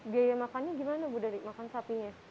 biaya makannya gimana bu dari makan sapinya